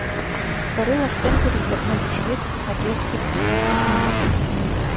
Стварыла штэмпелі для многіх шведскіх, нарвежскіх і фінскіх манет.